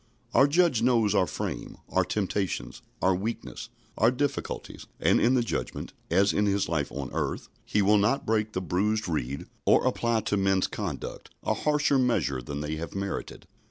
Our Judge knows our frame, our temptations, our weakness, our difficulties; and in the Judgment, as in His life on earth, He will not break the bruised reed, or apply to men's conduct a harsher measure than they have merited.